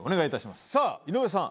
さぁ井上さん